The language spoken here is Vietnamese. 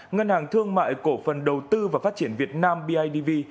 ngân hàng thương mại cổ phần đầu tư và phát triển việt nam bidv